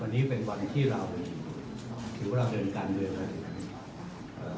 วันนี้เป็นวันที่เราถือว่าเราเดินการเงินมาเลยนะครับ